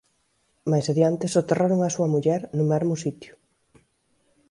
Máis adiante soterraron á súa muller no mesmo sitio.